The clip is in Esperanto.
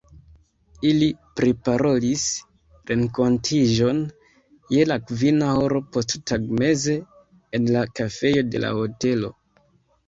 Ili priparolis renkontiĝon je la kvina horo posttagmeze en la kafejo de la hotelo.